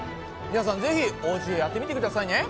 皆さんぜひおうちでやってみてくださいね！